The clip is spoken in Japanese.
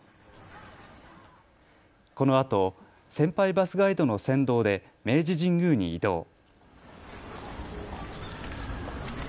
このあと先輩バスガイドの先導で明治神宮に移動。